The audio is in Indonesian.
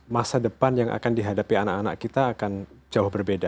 masa depan yang akan dihadapi anak anak kita akan jauh berbeda